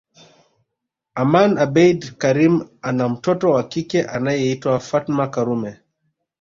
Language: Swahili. Aman abeid Karim ana mtoto wa kike anayeitwa Fatma Karume